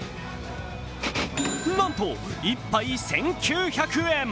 なんと１杯１９００円。